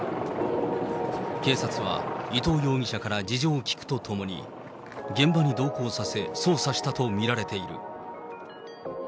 警察は伊藤容疑者から事情を聴くとともに、現場に同行させ、捜査したと見られている。